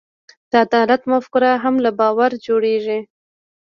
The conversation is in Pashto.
د عدالت مفکوره هم له باور جوړېږي.